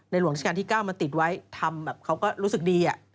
หลวงราชการที่๙มาติดไว้ทำแบบเขาก็รู้สึกดี